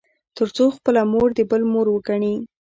تـر څـو خـپله مـور د بل مور وګـني.